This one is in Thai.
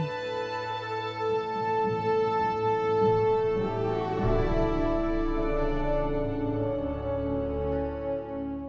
โปรดติดตามตอนต่อไป